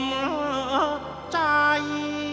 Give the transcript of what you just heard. สวัสดี